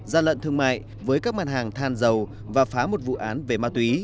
gian lận thương mại với các mặt hàng than dầu và phá một vụ án về ma túy